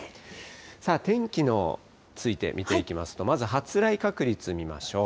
さあ、天気について見ていきますと、まず発雷確率見ましょう。